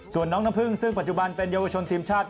ส่วนน้องน้ำพึ่งซึ่งปัจจุบันเป็นเยาวชนทีมชาติ